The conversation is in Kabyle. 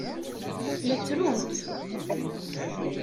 La ttrunt.